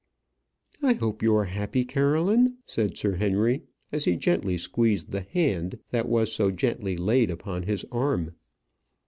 "I hope you are happy, Caroline?" said Sir Henry, as he gently squeezed the hand that was so gently laid upon his arm.